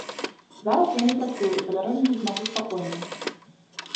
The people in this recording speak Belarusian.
Зараз я не працую і падарожнічаць магу спакойна.